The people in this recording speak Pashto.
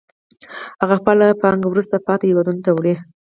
هغه خپله پانګه وروسته پاتې هېوادونو ته وړي